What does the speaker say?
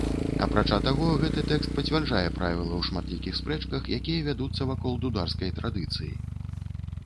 Апрача таго, гэты тэкст пацвярджае правіла ў шматлікіх спрэчках, якія вядуцца вакол дударскай традыцыі.